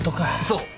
そう！